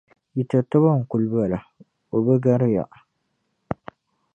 Yi tatabo, n kuli bala, o bi gari ya.